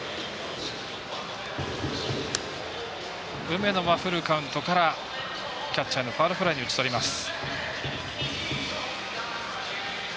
梅野はフルカウントからキャッチャーのファウルフライに打ち取ります。